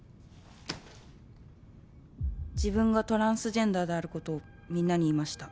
「自分がトランスジェンダーであることをみんなに言いました」